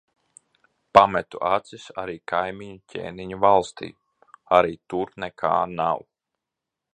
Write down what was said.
Pametu acis arī kaimiņu ķēniņa valstī. Arī tur nekā nav.